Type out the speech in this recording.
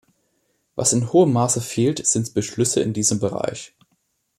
Was in hohem Maße fehlt, sind Beschlüsse in diesem Bereich.